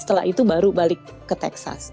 setelah itu baru balik ke texas